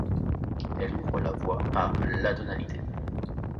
Elle ouvre la voie à l'atonalité.